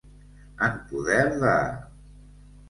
En poder de.